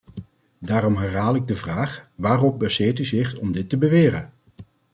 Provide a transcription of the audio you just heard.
Daarom herhaal ik de vraag: waarop baseert u zich om dit te beweren?